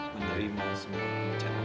menerima semua pencarian kamu